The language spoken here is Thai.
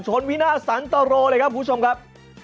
ชนวินาสันตรว์เลยครับผู้ชมครับ